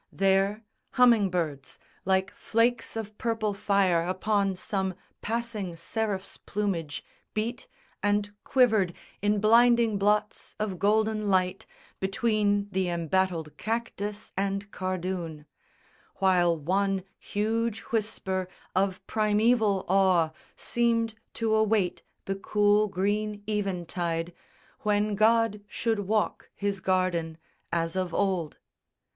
There humming birds, like flakes of purple fire Upon some passing seraph's plumage, beat And quivered in blinding blots of golden light Between the embattled cactus and cardoon; While one huge whisper of primeval awe Seemed to await the cool green eventide When God should walk His Garden as of old.